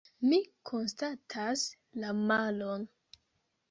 Mi konstatas la malon.